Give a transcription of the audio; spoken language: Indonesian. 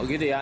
oh gitu ya